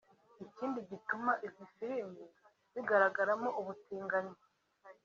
Ikindi gituma izi filime zigaragaramo ubutinganyi